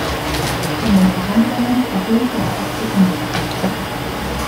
In den Verhandlungen verhöhnte er oft die Angeklagten.